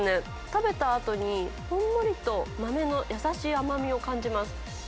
食べたあとに、ほんのりと豆の優しい甘みを感じます。